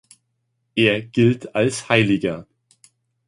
Er gilt als Heiliger.